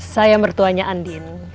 saya mertuanya andin